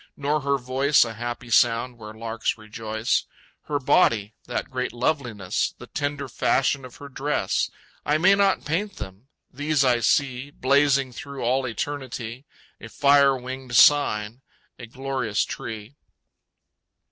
Nor her voice A happy sound where larks rejoice, Her body, that great loveliness, The tender fashion of her dress, I may not paint them. These I see, Blazing through all eternity, A fire winged sign, a glorious tree!